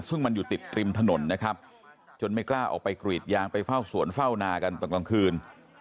ซึ่งมันอยู่ติดริมถนนนะครับจนไม่กล้าออกไปกรีดยางไปเฝ้าสวนเฝ้านากันตอนกลางคืน